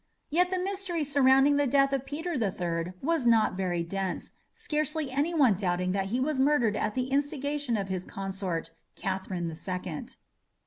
Yet the mystery surrounding the death of Peter the Third was not very dense, scarcely any one doubting that he was murdered at the instigation of his consort, Catherine the Second.